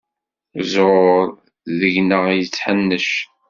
Ẓẓur deg-neɣ yetḥennec.